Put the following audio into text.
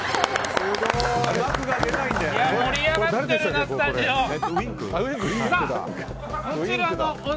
盛り上がっているな、スタジオ。